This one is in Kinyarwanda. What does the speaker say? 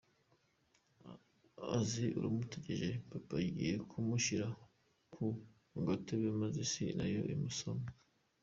Azi urumutegereje, Papa agiye kumushyira ku gatebe maze Isi na yo imusonge.